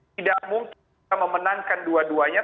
tidak mungkin kita memenangkan dua duanya